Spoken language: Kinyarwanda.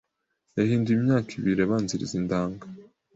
yahinduye imyaka ibiri abanziriza indanga